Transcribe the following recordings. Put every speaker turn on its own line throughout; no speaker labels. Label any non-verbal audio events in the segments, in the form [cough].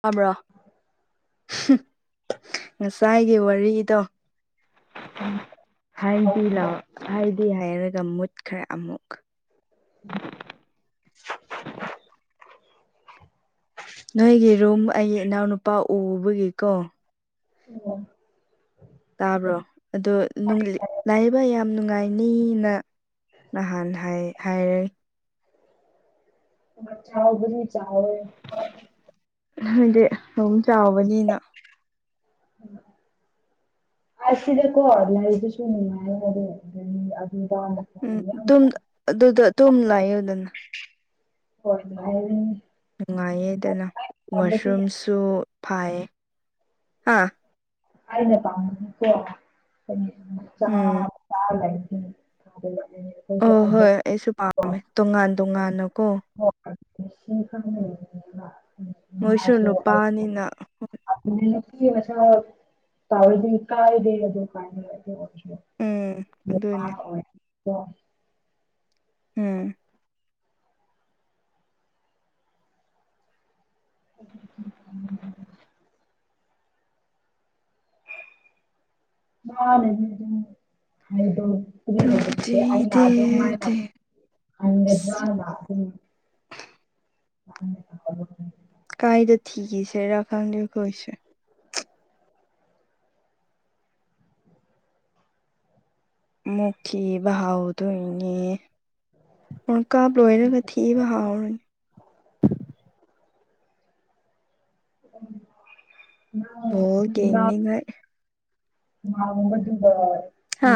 ꯇꯥꯕ꯭ꯔꯣ ꯉꯁꯥꯏꯒꯤ ꯋꯥꯔꯤꯗꯣ ꯍꯥꯏꯗꯤ ꯂ ꯍꯥꯏꯗꯤ ꯍꯥꯏꯔꯒ ꯃꯨꯠꯈ꯭ꯔꯦ ꯑꯃꯨꯛ
[inaudible]
ꯅꯣꯏꯒꯤ ꯔꯨꯝ ꯑꯩꯒꯤ ꯏꯅꯥꯎꯅꯨꯄꯥ ꯎꯕꯒꯤꯀꯣ
[inaudible]
ꯇꯥꯕ꯭ꯔꯣ ꯑꯗꯣ ꯅꯨꯡ ꯂꯥꯢꯕ ꯌꯥꯝ ꯅꯨꯡꯉꯥꯏ ꯃꯤꯅ ꯅꯍꯥꯟ ꯍꯥꯏ ꯍꯥꯏꯔꯦ
[unintelligible]
ꯍꯥꯏꯗꯤ ꯑꯗꯨꯝ ꯆꯥꯎꯕꯅꯤꯅ
ꯑꯁꯤꯗꯀꯣ ꯂꯩꯗꯨꯁꯨ ꯅꯨꯡꯉꯥꯏ [unintelligible]
ꯎꯝ ꯑꯗꯨꯗ ꯇꯨꯝ ꯂꯩꯌꯨꯗꯅ
ꯍꯔꯃꯥꯏ [unintelligible]
ꯅꯨꯡꯉꯥꯏꯌꯦꯗꯅ ꯋꯥꯁꯔꯨꯝꯁꯨ ꯐꯥꯏꯌꯦ ꯍꯥ
ꯀꯅ ꯀꯥꯣ ꯆ ꯆ
ꯎꯝ
[unintelligible] ꯑ [unintelligible]
ꯑꯣ ꯍꯣꯏ ꯑꯩꯁꯨ ꯄꯥꯝꯃꯦ ꯇꯣꯉꯥꯟ ꯇꯣꯉꯥꯟꯅꯀꯣ
ꯍ [unintelligible]
ꯃꯣꯏꯁꯨ ꯅꯨꯄꯥꯅꯤꯅ ꯍꯣꯢ
ꯅ ꯃꯁ ꯇꯥꯕꯗꯨ ꯀꯥꯏ ꯗꯦꯔꯗꯣ ꯀꯥꯏ [unintelligible] [unintelligible] [unintelligible]
ꯎꯝ ꯑꯗꯨꯅꯦ
ꯑꯣ [inaudible]
ꯎꯝ
ꯎ [inaudible] [unintelligible] ꯍꯥꯏꯗꯣ [unintelligible] [unintelligible] ꯑꯗꯨ ꯂꯩꯗꯦ ꯑꯗꯨꯃꯥꯏꯅ [unintelligible] [unintelligible] ꯎ [unintelligible] [unintelligible]
ꯀꯥꯏꯗ ꯊꯤꯁꯦꯔꯜ ꯈꯪꯗꯦ ꯀꯣꯏꯁꯦ ꯑꯃꯨꯛ ꯊꯤꯕ ꯍꯧꯗꯨꯢꯅꯦ [unintelligible] ꯂꯣꯢꯔꯒꯗꯤ ꯊꯤꯕ ꯍꯧꯔꯅꯤ
[unintelligible]
ꯥꯍꯣꯢ
ꯃꯥꯒ ꯇꯗ ꯁꯤ
ꯍꯥ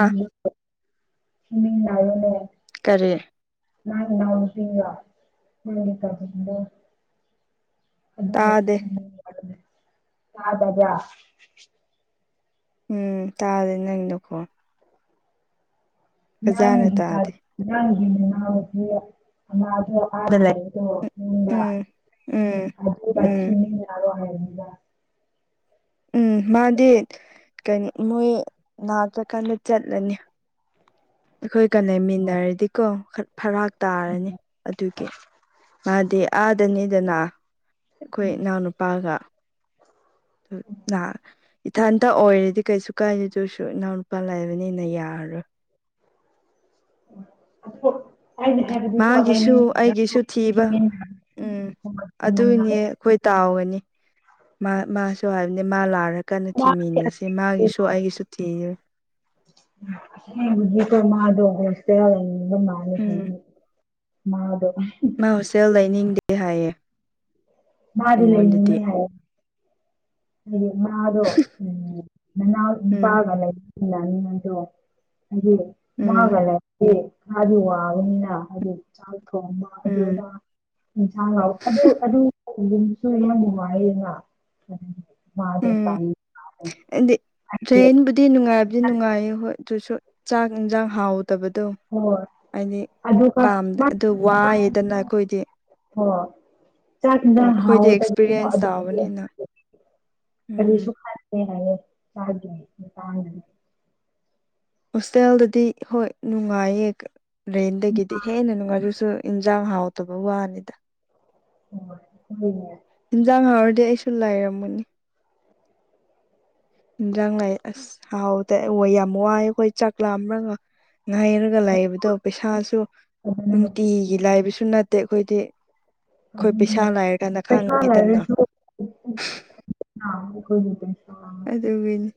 ꯁꯤꯃꯤ ꯂꯅꯥꯅꯦ [unintelligible] [unintelligible] [unintelligible]
ꯀꯔꯤ
ꯅ ꯏꯟꯅ ꯎꯝꯄꯤꯒ ꯀꯣ [unintelligible] [unintelligible] [unintelligible]
ꯇꯥꯗꯦ
ꯇꯥꯗꯕ꯭ꯔꯥ
ꯎꯝ ꯇꯥꯔꯦ ꯅꯪ ꯅꯥꯈꯣꯟ ꯐꯖꯅ ꯇꯥꯗꯦ
ꯅꯪꯒꯤ ꯅꯅꯥꯎꯄꯤ ꯑꯗꯥ ꯑꯃ ꯂꯩꯕꯗꯣ ꯗ
ꯎꯝ ꯎꯝ
ꯑꯗꯨꯒ
ꯎꯝ
ꯊꯤꯃꯤꯟꯅꯔꯣ ꯍꯥꯢꯕꯅꯤꯗ
ꯎꯝ ꯃꯥꯗꯤ ꯀꯩꯅꯣ ꯃꯣꯏ ꯂꯥꯛꯇ꯭ꯔꯀꯥꯟꯗ ꯆꯠꯂꯅꯤ ꯑꯩꯈꯣꯏꯒ ꯂꯩꯃꯤꯟꯅꯔꯗꯤꯀꯣ ꯐꯔꯥꯛ ꯇꯥꯔꯅꯤ ꯑꯗꯨꯒꯤ ꯃꯥꯗꯤ ꯑꯥꯗꯅꯤꯗꯅ ꯑꯩꯈꯣꯏ ꯏꯅꯥꯎꯅꯨꯄꯥꯒ ꯂꯥꯛ ꯏꯊꯟꯇ ꯑꯣꯏꯔꯗꯤ ꯀꯩꯁꯨ ꯀꯥꯏꯗꯦ ꯑꯗꯨꯢꯁꯨ ꯏꯅꯥꯎ ꯅꯨꯄꯥ ꯂꯩꯕꯅꯤꯅ ꯌꯥꯔꯔꯣꯏ
ꯑꯊꯄ [inaudible] ꯍꯥꯏꯗꯤ ꯍꯥꯏꯕꯅꯤꯒꯣ
ꯃꯥꯒꯤꯁꯨ ꯑꯩꯒꯤꯁꯨ
[unintelligible]
ꯊꯤꯕ ꯎꯝ
[unintelligible]
ꯑꯗꯨꯅꯦ
[unintelligible] [unintelligible] [unintelligible]
ꯑꯩꯈꯣꯏ ꯇꯥꯎꯒꯅꯤ ꯃꯥ ꯃꯥ ꯑꯗꯨ ꯍꯥꯏꯕꯅꯤ ꯃꯥ ꯂꯥꯛꯑ ꯀꯟꯗ ꯊꯤꯃꯤꯟꯅꯁꯦ ꯃꯥꯒꯤꯁꯨ ꯑꯩꯒꯤꯁꯨ ꯊꯤ
ꯐ ꯃꯥꯥꯗꯣꯒꯣꯁꯇꯝ ꯃꯅꯤꯁ [unintelligible]
ꯎꯝ
[unintelligible] ꯃꯥꯗꯣ
ꯃꯥ ꯍꯣꯁꯇꯦꯜ ꯂꯩꯅꯤꯡꯗꯦ ꯍꯥꯏꯌꯦ
ꯃꯥꯗꯤ
ꯑꯩꯉꯣꯟꯗꯗꯤ
ꯂꯩꯅꯤꯡꯉꯤ ꯍꯥꯢꯌꯦ ꯍꯥꯏꯗꯤ ꯃꯥꯗꯣ ꯎꯝ ꯅꯅꯥꯎ
ꯎꯝ
ꯅꯨꯄꯥꯒ ꯂꯩꯃꯤꯟ [unintelligible] [unintelligible] ꯍꯥꯏꯒꯤ
ꯎꯝ
ꯃꯥꯒ ꯂꯩ ꯑꯦ ꯈꯔꯗꯤ ꯋꯥꯡꯕꯅꯤꯅ ꯑꯗꯨ ꯆꯥꯛ ꯊꯣꯡꯕ ꯑꯗꯨ
ꯎꯝ
ꯑꯗꯥ ꯏꯟꯁꯥꯡ ꯂꯥꯎ ꯑꯗꯨ ꯑꯗꯨꯁꯨ [unintelligible] ꯌꯥꯝ ꯅꯨꯡꯉꯥꯏꯌꯦ ꯃꯥ
ꯎꯝ ꯑꯩꯗꯣ ꯇꯔꯦꯟ ꯇꯤ ꯅꯨꯡꯉꯥꯏꯕꯗꯤ ꯅꯨꯡꯉꯥꯏꯌꯦ ꯍꯣꯏ ꯑꯗꯨꯁꯨ ꯆꯥꯛ ꯏꯟꯁꯥꯡ ꯍꯥꯎꯗꯕꯗꯣ
ꯍꯣꯏ
ꯍꯥꯏꯗꯤ
ꯑꯗꯨꯒ
ꯄꯥꯝꯗꯦ ꯑꯗꯨ ꯋꯥꯏꯑꯦꯗꯅ ꯑꯩꯈꯣꯏꯗꯤ
ꯍꯣ ꯆꯥꯛ
ꯎꯝ
ꯏꯟꯖꯥꯡ
ꯑꯩꯈꯣꯏꯗꯤ
ꯍꯥꯎꯇꯕꯗꯣ
ꯑꯦꯛꯁꯄꯤꯔꯤꯌꯦꯟꯁ ꯇꯥꯕꯅꯤꯅ
ꯑꯗꯨꯗꯤ
ꯎꯝ
ꯀꯔꯤꯁꯨ ꯈꯪꯗꯦ ꯍꯥꯢꯌꯦ ꯃꯥꯒꯤ ꯅꯨꯄꯥꯗꯣ
ꯍꯣꯁꯇꯦꯜꯗꯗꯤ ꯍꯣꯏ ꯅꯨꯡꯉꯥꯏꯌꯦ ꯔꯦꯟꯗꯒꯤꯗꯤ ꯍꯦꯟꯅ ꯅꯨꯡꯉꯥꯏꯔꯁꯨ ꯌꯦꯟꯁꯥꯟ ꯍꯥꯎꯇꯕꯩ ꯋꯥꯅꯤꯗ
ꯑꯣ ꯎ [unintelligible]
ꯌꯦꯟꯖꯥꯡ ꯍꯥꯎꯔꯗꯤ ꯑꯩꯁꯨ ꯂꯥꯏꯔꯝꯃꯅꯤ ꯏꯟꯖꯥꯡ ꯂꯥꯛ ꯑꯁ ꯍꯥꯎꯗꯦ ꯌꯥꯝ ꯋꯥꯏ ꯑꯩꯈꯣꯏ ꯆꯥꯛ ꯂꯥꯝꯂꯒ ꯉꯥꯏꯔꯒ ꯂꯥꯏꯕꯗꯣ ꯄꯩꯁꯥꯁꯨ
ꯑꯗꯨꯅ
ꯅꯨꯡꯇꯤꯒꯤ ꯂꯥꯏꯕꯁꯨ ꯅꯠꯇꯦ ꯑꯩꯈꯣꯏꯗꯤ ꯑꯩꯈꯣꯏ ꯄꯩꯁꯥ
ꯑꯗꯨꯅꯦ
ꯂꯥꯏꯔ ꯀꯥꯟꯗ ꯈꯥꯡꯉꯤꯗꯅ
ꯈꯣꯏꯇ ꯁ [unintelligible]
ꯑꯗꯨꯒꯤꯅꯤ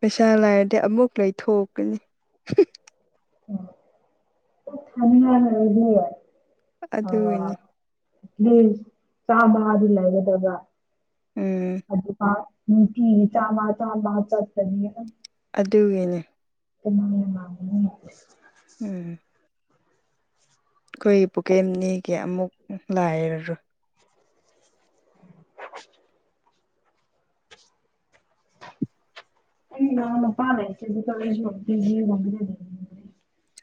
ꯄꯩꯁꯥ ꯂꯥꯏꯔꯗꯤ ꯑꯃꯨꯛ ꯂꯩꯊꯣꯛꯀꯅꯤ
ꯑꯣꯅ ꯏꯒꯦ ꯑ [unintelligible] [unintelligible]
ꯑꯗꯨꯒꯤꯅꯤ
[unintelligible] ꯆꯥꯝꯃꯉꯗꯤ ꯂꯩꯒꯗꯕꯥ
ꯎꯝ
ꯑꯗꯨꯒ ꯅꯨꯡꯇꯤꯒꯤ ꯆꯥꯝꯃ ꯆꯥꯝꯃ ꯆꯠꯒꯅꯤ
ꯑꯗꯨꯒꯤꯅꯦ
ꯏ [unintelligible]
ꯎꯝ ꯑꯩꯈꯣꯏ ꯄꯨꯀꯦꯝꯅꯤꯒꯤ ꯑꯃꯨꯛ ꯂꯩꯔꯔꯣꯏ
ꯔ [inaudible] ꯑꯩ ꯢꯅꯥꯎꯅꯨꯄꯥ ꯂꯩ ꯀꯦꯖꯤ [unintelligible] [unintelligible] [unintelligible]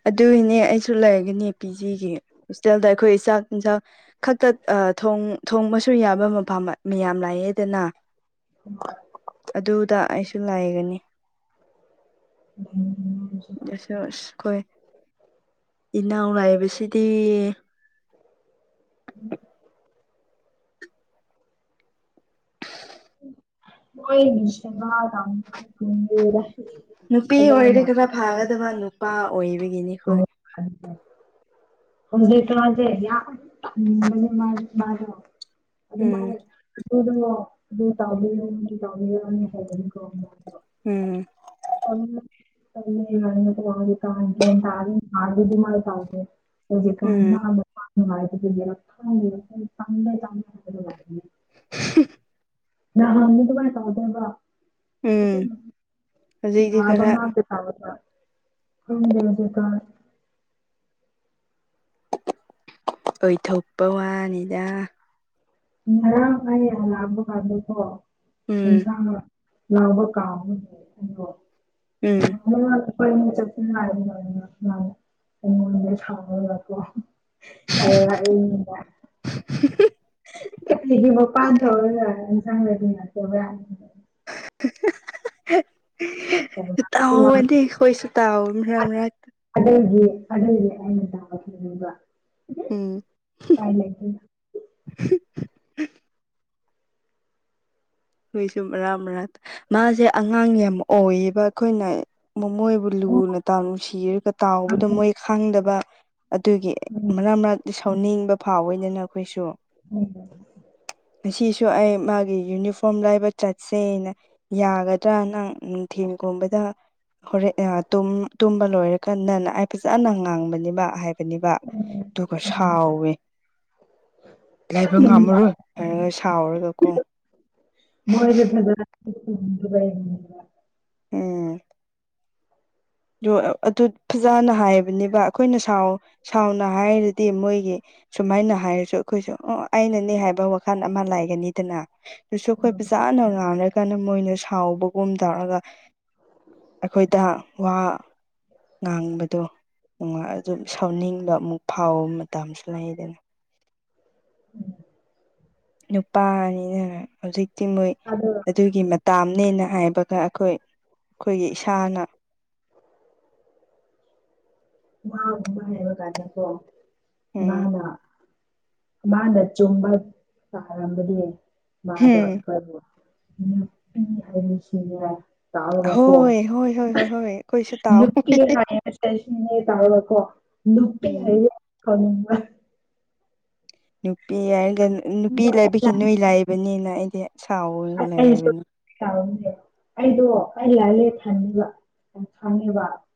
ꯑꯗꯨꯒꯤꯅꯦ ꯑꯩꯁꯨ ꯂꯩꯒꯅꯤ ꯄꯤ ꯖꯤꯒꯤ ꯍꯣꯁꯇꯦꯜꯗ ꯑꯩꯈꯣꯏ ꯆꯥꯛ ꯌꯦꯟꯖꯥꯡ ꯈꯛꯇ ꯊꯣꯡꯕꯁꯨ ꯌꯥꯕ ꯃꯐꯝ ꯃꯌꯥꯝ ꯂꯥꯛꯑꯦꯗꯅ
ꯍꯣꯢ
ꯑꯗꯨꯗ ꯑꯩꯁꯨ ꯂꯩꯒꯅꯤ
ꯎꯝ
ꯑꯁ ꯀꯣꯏ ꯏꯅꯥꯎ ꯂꯩꯕꯁꯤꯗꯤ
[unintelligible] ꯃꯣꯏꯒꯤ [inaudible]
ꯅꯨꯄꯤ ꯑꯣꯏꯔꯗꯤ
ꯐꯖꯅ
ꯈꯔ ꯐꯒꯗꯕ ꯅꯨꯄꯥ ꯑꯣꯏꯕꯒꯤꯅꯤ ꯑꯩꯈꯣꯏ
ꯑꯣ [unintelligible] ꯍꯧꯖꯤꯛ ꯀꯥꯟꯁ‌ꯦ ꯌꯥꯝ ꯄꯪꯕꯅꯦ ꯃꯥꯗꯣ
ꯎꯝ
ꯑꯗꯨꯃꯥꯏꯅ ꯑꯗꯨꯗꯀ‌ꯣ ꯑꯗꯨ [unintelligible] [unintelligible] [unintelligible] [unintelligible]
ꯎꯝ
[inaudible] [inaudible] [inaudible] [inaudible] [inaudible]
ꯎꯝ
[inaudible] [inaudible] [inaudible] [inaudible] [inaudible]
[unintelligible]
ꯅꯍꯥꯟꯒꯤ ꯑꯗꯨꯃꯥꯏ ꯇꯧꯗ‌ꯦꯕ ꯑꯗꯨꯝ
ꯎꯝ ꯍꯧꯖꯤꯛꯇꯤ
ꯅꯥꯕ
ꯈꯔ
ꯉꯥꯛꯇꯅꯤ [inaudible] [inaudible]
ꯑꯣꯏꯊꯣꯛꯄ ꯋꯥꯅꯤꯗ
ꯉꯔꯥꯡ ꯑꯩ ꯍꯜꯂꯛꯕ ꯀꯥꯟꯗꯀꯣ
ꯎꯝ
ꯌꯦꯟꯁꯥꯡꯅ ꯂꯥꯎꯕ ꯀꯥꯎꯅꯤ
ꯎꯝ
[inaudible] [unintelligible] [unintelligible]
[unintelligible]
[unintelligible]
[unintelligible] [unintelligible]
[unintelligible]
ꯎꯝ
ꯄꯥꯏꯂꯩꯇ‌ꯦ
ꯍꯨꯏꯁꯨ ꯃꯔ ꯃꯔꯛꯇ ꯃꯥꯁꯦ ꯑꯉꯥꯡ ꯌꯥꯝ ꯑꯣꯏꯌꯦꯕ ꯑꯩꯈꯣꯏꯅ ꯃꯣꯃꯣꯏꯕꯨ ꯂꯨꯅꯇꯥꯎ ꯅꯨꯡꯁꯤꯔꯒ ꯇꯥꯎꯕꯗ ꯃꯣꯏ ꯈꯪꯗꯕ ꯑꯗꯨꯒꯤ
ꯎꯝ
ꯃꯔꯛ ꯃꯔꯛꯇ ꯁꯥꯎꯅꯤꯡꯕ ꯐꯥꯎꯋꯦꯅꯦ ꯅꯈꯣꯏꯁꯨ
[inaudible]
ꯉꯁꯤꯁꯨ ꯑꯩ ꯃꯥꯒꯤ ꯌꯨꯅꯤꯐ ꯐ‌ꯣꯝ ꯂꯩꯕ ꯆꯠꯁꯦꯅ ꯌꯥꯒꯗ꯭ꯔꯥ ꯅꯪ ꯅꯨꯡꯊꯤꯟꯒꯨꯝꯕꯗ ꯍꯣꯔꯦ ꯑꯥ ꯇꯨꯝ-ꯇꯨꯝꯕ ꯂꯣꯏꯔꯀꯥꯟꯗꯅ ꯑꯩ ꯐꯖꯅ ꯉꯥꯡꯕꯅꯦꯕ ꯍꯥꯏ ꯕꯅꯤꯕ ꯑꯗꯨꯒ ꯁꯥꯎꯋꯦ ꯂꯩꯕ ꯉꯝꯃꯔꯣꯏ ꯍꯥꯏꯔꯒ ꯁꯥꯎꯔꯒꯀꯣ
[inaudible]
ꯎꯝ ꯑꯗꯨ ꯑꯗꯨ ꯐꯖꯅ ꯍꯥꯏꯕꯅꯦꯕ ꯑꯈꯣꯏꯅ ꯁꯥꯎ ꯁꯥꯎꯅ ꯍꯥꯏꯔꯗꯤ ꯃꯣꯏꯒꯤ ꯁꯨꯃꯥꯏꯅ ꯍꯥꯏꯔꯁꯨ ꯑꯈꯣꯏꯁꯨ ꯑꯣ ꯑꯩꯅꯅꯦ ꯍꯥꯏꯕ ꯋꯥꯈꯜ ꯑꯃ ꯂꯩꯒꯅꯤꯗꯅ ꯗꯨꯁꯨ ꯑꯈꯣꯏ ꯐꯖꯥꯅ ꯉꯥꯡꯔ ꯀꯥꯟꯗ ꯃꯣꯏꯅ ꯁꯥꯎꯕꯒꯨꯝ ꯇꯧꯔꯒ ꯑꯩꯈꯣꯏꯗ ꯋꯥ ꯉꯥꯡꯕꯗꯣ ꯅꯨꯡꯉꯥꯏ ꯑꯗꯨꯝ‌ ꯁꯥꯎꯅꯤꯡꯕ ꯑꯃꯨꯛ ꯐꯥꯎꯕ ꯃꯇꯝꯁꯨ ꯂꯩꯗꯅ
[inaudible]
ꯅꯨꯄꯥꯅꯤꯅ ꯍꯧꯖꯤꯛꯇꯤ ꯃꯣꯏ
ꯑꯗꯨ
ꯑꯗꯨꯒꯤ ꯃꯇꯥꯝꯅꯦꯅ ꯍꯥꯏꯕꯒ ꯑꯈꯣꯏ ꯑꯈꯣꯏꯒꯤ ꯏꯁꯥꯅ ꯎꯝ
[inaudible] ꯃꯥꯅ ꯆꯨꯝꯕ ꯇꯥꯔꯝꯕꯗꯤ ꯃꯥꯗꯣ
ꯍꯝ
ꯑꯈꯣꯏꯕꯨ
ꯍꯣꯏ ꯍꯣꯏ ꯍꯣꯏ ꯍꯣꯏ ꯍꯣꯏ ꯍꯣꯏ ꯑꯩꯈꯣꯏꯁꯨ ꯇꯥꯎ
ꯅꯨꯄꯤ
ꯎꯝ
[unintelligible] [inaudible] [inaudible]
ꯅꯨꯄꯤ ꯍꯥꯏꯔꯒ ꯅꯨꯄꯤ ꯂꯩꯕꯒꯤ ꯅꯣꯏ ꯂꯥꯏꯕꯅꯤꯅ ꯑꯩꯗꯤ ꯁꯥꯎꯒ ꯂꯩ ꯍꯥꯏꯕ
ꯑꯩꯁꯨ [unintelligible]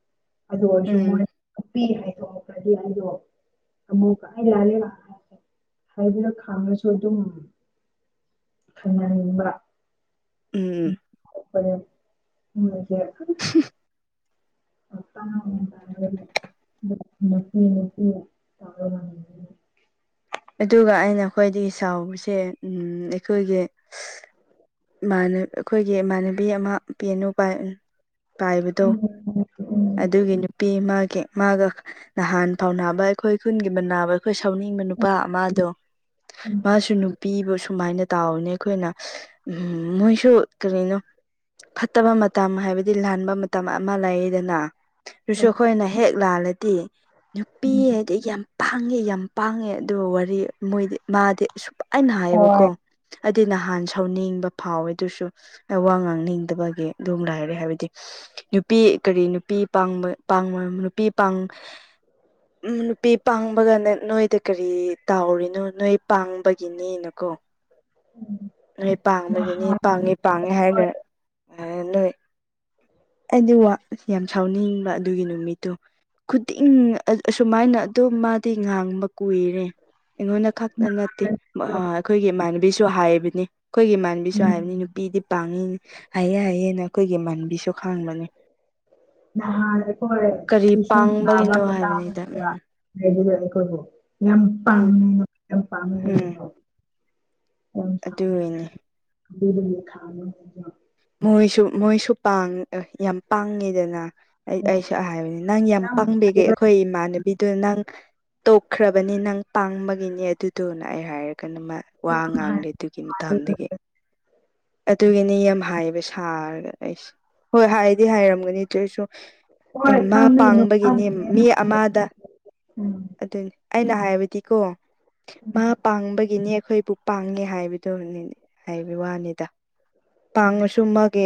ꯑꯗꯨ ꯑꯣꯏꯔꯁꯨ
ꯎꯝ
ꯃꯣꯏ [unintelligible] ꯍꯥꯏꯗꯅ ꯈꯥꯡꯉꯁꯨ ꯑꯗꯨꯝ ꯈꯪꯅꯅꯤꯡꯕ
ꯎꯝ
[inaudible]
[inaudible]
[inaudible]
ꯑꯗꯨꯒ ꯑꯩꯅ ꯑꯈꯣꯏꯗꯤ ꯁꯥꯎꯕꯁꯦ ꯑꯩꯈꯣꯏꯒꯤ ꯏꯃꯥꯅ ꯑꯈꯣꯏꯒꯤ ꯏꯃꯥꯟꯅꯕꯤ ꯑꯃ ꯄꯤ ꯑꯅꯨꯄꯥ ꯄꯥꯏꯕꯗꯣ ꯑꯗꯨꯒꯤ ꯅꯨꯄꯤ ꯃꯥꯒꯤ ꯃꯥꯒ ꯅꯍꯥꯟ ꯐꯥꯎꯅꯥꯕ ꯑꯩꯈꯣꯏ ꯈꯨꯟꯒꯤ ꯃꯅꯥꯕ ꯑꯩꯈꯣꯏ ꯁꯥꯎꯅꯤꯡꯕ ꯅꯨꯄꯥ ꯅꯨꯄꯥ ꯑꯃꯗꯣ ꯃꯥꯁꯨ ꯅꯨꯄꯤꯕꯨ ꯁꯨꯃꯥꯏꯅ ꯇꯥꯎꯕꯅꯦ ꯑꯩꯈꯣꯏꯅ ꯎꯝ ꯃꯣꯏꯁꯨ ꯀꯔꯤꯅꯣ ꯐꯠꯇꯕ ꯃꯇꯝ ꯍꯥꯏꯕꯗꯤ ꯂꯥꯟꯕ ꯃꯇꯝ ꯑꯃ ꯂꯩꯗꯅ ꯑꯗꯨꯁꯨ ꯑꯩꯈꯣꯏꯅ ꯍꯦꯛ ꯂꯥꯜꯂꯗꯤ ꯅꯨꯄꯤ ꯍꯥꯏꯗꯤ ꯌꯥꯝ ꯄꯥꯡꯉꯦ ꯌꯥꯝ ꯄꯥꯡꯉꯦ ꯑꯗꯨ ꯋꯥꯔꯤ ꯃꯣꯏꯗꯤ ꯃꯥꯗꯤ ꯁꯨꯥꯏꯅ ꯍꯥꯏꯌꯦꯕꯀꯣ
ꯍꯣꯏ
ꯑꯩꯗꯤ ꯅꯍꯥꯟ ꯁꯥꯎꯅꯤꯡꯕ ꯐꯥꯎꯋꯦ ꯑꯗꯨꯁꯨ ꯋꯥ ꯉꯥꯡꯅꯤꯡꯗꯕꯒꯤ ꯑꯗꯨꯝ ꯂꯥꯏꯔꯦ ꯍꯥꯏꯕꯗꯤ ꯅꯨꯄꯤ ꯀꯔꯤ ꯅꯨꯄꯤ ꯄꯥꯡꯕ ꯅꯨꯄꯤ ꯄꯥꯡ ꯅꯨꯄꯤ ꯄꯥꯡꯕꯒꯅꯦ ꯅꯣꯏꯗꯤ ꯀꯔꯤ ꯇꯥꯎꯔꯤꯅꯣ ꯅꯣꯏ ꯄꯥꯡꯕꯒꯤꯅꯦꯅꯀꯣ ꯅꯣꯏ ꯄꯥꯡꯕꯒꯤꯅꯤ
ꯅꯍꯥꯟ
ꯄꯥꯡꯉꯦ ꯄꯥꯡꯉꯦ ꯍꯥꯏꯔꯒ ꯅꯣꯏ ꯑꯩꯗꯤ ꯋꯥ ꯌꯥꯝ ꯁꯥꯎꯅꯤꯡꯕ ꯑꯗꯨꯒꯤ ꯅꯨꯃꯤꯠꯇꯣ ꯈꯨꯗꯤꯡ ꯑꯁꯨꯃꯥꯏꯅ ꯑꯗꯨꯝ ꯃꯥꯗꯤ ꯉꯥꯡꯕ ꯀꯨꯏꯔꯦ ꯑꯩꯉꯣꯟꯗ ꯈꯛꯇ ꯅꯠꯇꯦ ꯑꯩꯈꯣꯏꯒꯤ ꯏꯃꯥꯟꯅꯕꯤꯁꯨ ꯍꯥꯏꯕꯅꯤ ꯑꯩꯈꯣꯏꯒꯤ ꯢꯃꯥꯟꯅꯕꯤꯁꯨ ꯍꯥꯏꯕꯅꯤ
ꯎꯝ
ꯅꯨꯄꯤꯗꯤ ꯐꯩꯌꯦ ꯍꯥꯏꯌꯦꯍꯥꯏꯌꯦꯅ ꯑꯩꯈꯣꯏꯒꯤ ꯢꯃꯥꯟꯕꯤꯁꯨ
ꯅꯍꯥꯟ ꯑꯩꯈꯣꯢ
ꯀꯔꯤ
ꯏꯁꯤꯡ ꯇꯥꯕ
ꯄꯥꯡꯕꯒꯤꯅꯣ ꯍꯥꯏꯕꯅꯤꯗ
ꯃꯇꯥꯝꯗ
ꯎꯝ
ꯍꯥꯏꯗꯤ ꯑꯩꯈꯣꯏꯕꯨ ꯌꯥꯝ
ꯎꯝ
ꯄꯥꯝꯃꯦ ꯌꯥꯝ ꯄꯥꯝꯃꯦ
ꯎꯝ
ꯍꯥꯏꯕꯗꯣ ꯌꯥꯝ ꯊ
ꯑꯗꯨꯒꯤꯅꯤ
ꯊ [unintelligible] [inaudible]
ꯃꯣꯏꯁꯨ ꯃꯣꯏꯁꯨ ꯄꯥꯡ ꯌꯥꯝ ꯄꯥꯡꯉꯤꯗꯅ ꯑꯩ ꯑꯩꯁꯨ ꯍꯥꯢꯕꯅꯤ ꯅꯪ ꯌꯥꯝ ꯄꯥꯡꯕꯒꯦ ꯑꯩꯈꯣꯏ ꯏꯃꯥꯟꯅꯕꯤꯗꯨ ꯅꯪ ꯇꯣꯛꯈ꯭ꯔꯕꯅꯤ ꯅꯪ ꯄꯥꯡꯕꯒꯤꯅꯤ ꯑꯗꯨꯗꯨꯅ ꯑꯩ ꯍꯥꯏꯔꯒ ꯅꯨ ꯃꯥ ꯋꯥ
ꯌꯥꯝ ꯍꯥꯏ
ꯉꯥꯡꯗꯦ ꯑꯗꯨꯒꯤ
ꯍꯥꯏ
ꯃꯇꯝꯗꯒꯤ ꯑꯗꯨꯒꯤꯅꯤ ꯌꯥꯝ ꯍꯩꯕ ꯁꯥꯔꯒ ꯑꯩꯁ ꯍꯣꯏ ꯍꯥꯏꯗꯤ ꯍꯥꯏꯔꯝꯒꯅꯤ ꯑꯗꯣꯢꯁꯨ
ꯍꯣꯏ
ꯃꯥ
ꯈꯪꯉꯦ ꯅꯨꯄꯥꯅ
ꯄꯥꯡꯕꯒꯤꯅꯤ ꯃꯤ
ꯍꯦꯟꯅ ꯍꯥꯏ
ꯑꯃꯗ
ꯎꯝ
ꯑꯗꯨꯅꯤ ꯑꯩꯅ ꯍꯥꯏꯕꯗꯤꯀꯣ
ꯎꯝ
ꯃꯥ ꯄꯥꯡꯕꯒꯤꯅꯤ ꯑꯩꯈꯣꯏꯕꯨ ꯄꯥꯡꯉꯦ ꯍꯥꯏꯕꯗꯨ ꯍꯥꯏꯕ ꯋꯥꯅꯤꯗ ꯄꯥꯡꯉꯁꯨ ꯃꯥꯒꯤ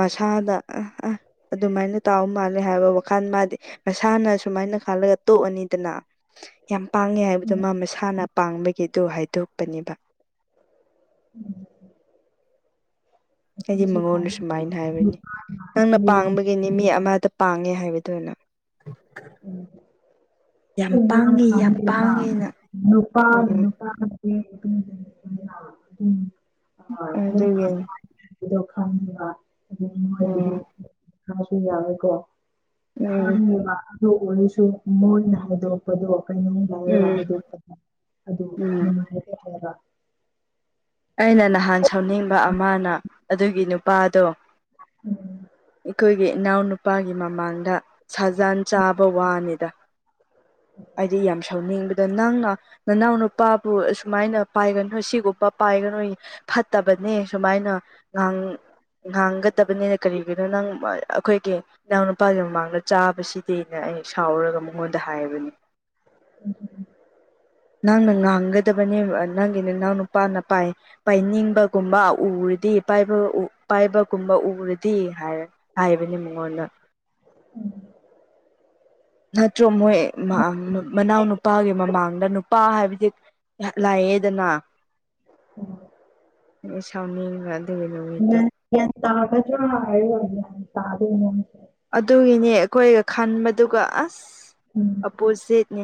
ꯃꯁꯥꯗ ꯑ ꯑ ꯑꯗꯨꯃꯥꯏꯅ ꯇꯥꯎ ꯃꯥꯜꯂꯦ ꯍꯥꯏꯕ ꯋꯥꯈꯜ ꯃꯥꯗꯤ ꯃꯁꯥꯅ ꯁꯨꯃꯥꯏꯅ ꯈꯜꯂꯒ ꯇꯣꯛꯑꯅꯤꯗꯅ ꯌꯥꯝ ꯄꯥꯡꯉꯦ ꯍꯥꯏꯕꯗꯣ ꯃꯥ ꯃꯁꯥꯅ ꯄꯥꯡꯕꯒꯤ ꯑꯗꯨ ꯍꯥꯏꯗꯣꯛꯄꯅꯦꯕ
ꯎꯝ [unintelligible] [inaudible]
ꯑꯩꯗꯤ ꯃꯉꯣꯟꯗ
ꯈꯪꯉꯦ
ꯁꯨꯃꯥꯏꯅ ꯍꯥꯏꯕꯅꯤ
ꯅꯨꯄꯥꯅ
ꯅꯪꯅ
ꯍꯌꯦꯡꯒꯤ
ꯄꯪꯕꯒꯤꯅꯤ ꯃꯤ ꯑꯃꯗ ꯄꯥꯝꯃꯦ ꯍꯥꯏꯕꯗꯨꯅ
[unintelligible] [unintelligible]
ꯌꯥꯝ ꯄꯥꯡꯉꯦ ꯌꯥꯝ ꯄꯥꯡꯉꯦꯅ
[unintelligible] ꯅꯨꯄꯥꯅ ꯎꯝ
ꯑꯗꯨꯒꯤ
ꯍ [unintelligible] [inaudible] ꯑꯗꯣ ꯈꯪꯕ ꯑꯗꯨ ꯃꯣꯏꯒꯤꯗꯤ
ꯎꯝ
ꯈꯔꯗꯤ ꯌꯥꯎꯋꯦꯀꯣ
ꯎꯝ
ꯈꯪꯉꯦꯕ ꯑꯗꯨ ꯑꯣꯏꯔꯁꯨ ꯃꯣꯏꯅ ꯍꯥꯏꯗꯣꯛꯄꯗꯣ ꯀꯩꯅꯣꯝ ꯇꯧꯋꯦꯕ
ꯎꯝ
ꯍꯥꯏꯗꯣꯛꯄꯗꯣ꯫ ꯑꯗꯨ
ꯎꯝ
[unintelligible]
ꯑꯩꯅ ꯅꯍꯥꯟ ꯁꯥꯎꯅꯤꯡꯕ ꯑꯃꯅ ꯑꯗꯨꯒꯤ ꯅꯨꯄꯥꯗꯣ꯫ ꯑꯩꯈꯣꯏꯒꯤ꯫ ꯏꯅꯥꯎꯅꯨꯄꯥꯒꯤ ꯃꯃꯥꯡꯗ ꯁꯥꯖꯥꯟ ꯆꯥꯕ ꯋꯥꯅꯤꯗ꯫ ꯑꯩꯗꯤ ꯌꯥꯝ ꯁꯥꯎꯅꯤꯡꯕꯗꯣ꯫ ꯅꯪꯅ ꯅꯅꯥꯎ ꯅꯨꯄꯥꯕꯨ ꯑꯁꯨꯃꯥꯏꯅ ꯄꯥꯏꯒꯅꯨ ꯁꯤꯒꯨꯝꯕ꯫ ꯄꯥꯏꯒꯅꯣ ꯐꯠꯇꯕꯅꯦ ꯁꯨꯃꯥꯏꯅ ꯉꯥꯡ ꯉꯥꯡꯒꯗꯕꯅꯤꯅ ꯀꯔꯤꯒꯤꯅꯣ ꯅꯪ ꯑꯩꯈꯣꯏꯒꯤ ꯏꯅꯥꯎ ꯅꯨꯄꯥꯒꯤ ꯃꯃꯥꯡꯗ ꯆꯥꯕꯁꯤꯗꯤꯅ ꯑꯩ ꯁꯥꯎꯔꯒ ꯃꯉꯣꯟꯗ ꯍꯥꯏꯕꯅꯦ꯫
[inaudible]
ꯅꯪꯅ ꯉꯥꯡꯒꯗꯕꯅꯦꯕ ꯅꯪꯒꯤ ꯅꯅꯥꯎ ꯅꯨꯄꯥꯅ ꯄꯥꯏ ꯄꯥꯏꯅꯤꯡꯕꯒꯨꯝꯕ ꯎꯔꯗꯤꯕ ꯄꯥꯏꯕꯒꯨꯝꯕ ꯎꯔꯗꯤ ꯍꯥꯏꯔ ꯍꯥꯏꯕꯅꯤ ꯃꯉꯣꯟꯗ꯫
ꯎꯝ꯫
ꯅꯠꯇ꯭ꯔꯣ ꯃꯣꯏ ꯃꯅꯥꯎ ꯅꯨꯄꯥꯒꯤ ꯃꯃꯥꯡꯗ ꯅꯨꯄꯥ ꯍꯥꯏꯕꯗꯤ ꯌꯥꯝ ꯂꯥꯛꯑꯦꯗꯅ꯫ ꯑꯩ ꯁꯥꯎꯅꯤꯡꯈꯔꯦ ꯑꯗꯨꯒꯤ ꯅꯨꯃꯤꯠꯇꯣ꯫
ꯒ꯭ꯌꯥꯟ ꯒ꯭ꯌꯥꯟ ꯇꯥꯒꯗꯔ ꯍꯥꯏꯔ ꯇꯥꯗꯦꯅꯦ꯫
ꯑꯗꯨꯒꯤꯅꯦ ꯑꯩꯈꯣꯏꯅ ꯈꯟꯕꯗꯨꯒ ꯑꯁ
ꯎꯝ
ꯑꯕꯨꯖꯤꯠꯅꯦ꯫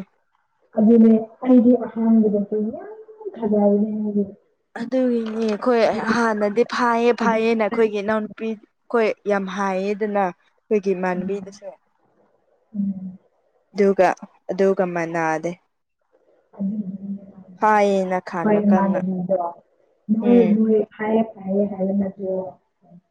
ꯑꯗꯨꯅꯦ ꯑꯩꯗꯤ ꯑꯍꯥꯟꯕꯗꯁꯨ ꯌꯥꯝ ꯊꯖꯕꯅꯦ ꯃꯥꯗꯤ꯫
ꯑꯗꯨꯒꯤꯅꯦ ꯑꯩꯈꯣꯏ ꯍꯥꯟꯅꯗꯤ ꯐꯥꯏꯌꯦ ꯐꯥꯏꯌꯦ ꯅ꯫ ꯑꯩꯈꯣꯏꯒꯤ ꯏꯅꯥꯎꯅꯨꯄꯤ ꯑꯩꯈꯣꯏ ꯌꯥꯝ ꯍꯥꯏꯌꯦꯗꯅ ꯑꯩꯈꯣꯏꯒꯤ ꯏꯃꯥꯟꯅꯕꯤꯗꯁꯨ
ꯎꯝ꯫
ꯑꯗꯨꯒ ꯑꯗꯨꯒ ꯃꯥꯟꯅꯗꯦ꯫
[unintelligible]
ꯐꯥꯏꯌꯦꯅ
ꯑꯩꯈꯣꯏ
ꯈꯥꯟꯕ ꯀꯟꯅ
ꯏꯃꯥꯟꯅꯕꯤꯗꯣ ꯃꯣꯏ
ꯎꯝ
ꯃꯣꯏ ꯍꯥꯏꯌꯦ ꯐꯩꯌꯦ ꯍꯥꯏꯕ ꯅꯠꯇꯔꯣ꯫